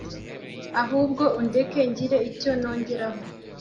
ahubwo undeke ngire icyo nongeraho